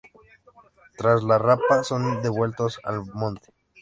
Tras la rapa son devueltos al monte.